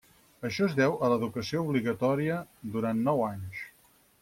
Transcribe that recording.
Això es deu a l'educació obligatòria durant nou anys.